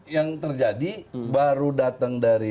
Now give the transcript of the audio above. yang terjadi baru datang dari